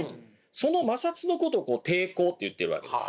その摩擦のことを抵抗と言ってるわけです。